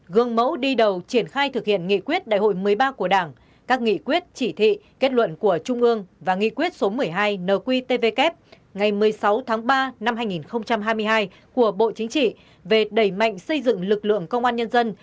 gương mẫu đi đầu triển khai thực hiện nghị quyết đại hội một mươi ba của đảng các nghị quyết chỉ thị kết luận của trung ương và nghị quyết số một mươi hai nqtvk ngày một mươi sáu tháng ba năm hai nghìn hai mươi hai của bộ chính trị về đẩy mạnh xây dựng lực lượng công an nhân dân